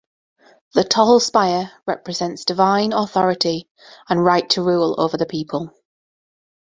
The tall spire represents divine authority and right to rule over the people.